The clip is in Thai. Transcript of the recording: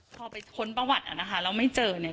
พอไปค้นประวัติอ่ะนะคะแล้วไม่เจอเนี่ย